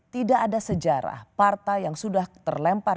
tidak ada sejarah partai yang sudah terlempar